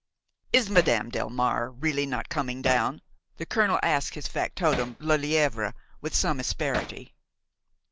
"Is Madame Delmare really not coming down?" the colonel asked his factotum Lelièvre, with some asperity.